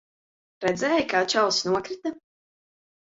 Redzēji, kā čalis nokrita?